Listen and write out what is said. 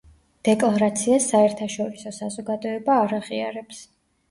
დეკლარაციას საერთაშორისო საზოგადოება არ აღიარებს.